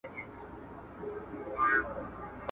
د هغه په دوه چنده عمر کي نه سي لیکلای `